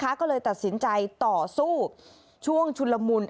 ก็เลยตัดสินใจต่อสู้ช่วงชุนละมุน